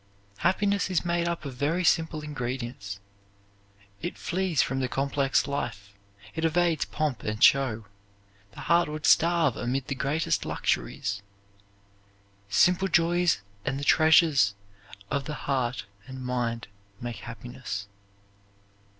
Happiness is made up of very simple ingredients. It flees from the complex life. It evades pomp and show. The heart would starve amid the greatest luxuries. Simple joys and the treasures of the heart and mind make happiness.